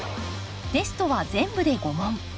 テストは全部で５問。